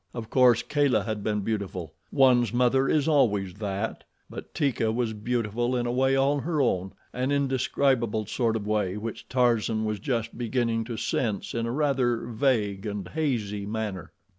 Of course Kala had been beautiful one's mother is always that but Teeka was beautiful in a way all her own, an indescribable sort of way which Tarzan was just beginning to sense in a rather vague and hazy manner.